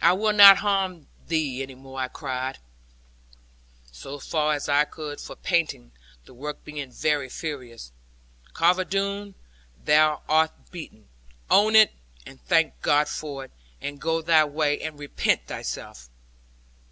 'I will not harm thee any more,' I cried, so far as I could for panting, the work being very furious: 'Carver Doone, thou art beaten: own it, and thank God for it; and go thy way, and repent thyself.'